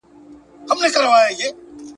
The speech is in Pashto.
اوس دي بېغمه ګرځي ښاغلي ..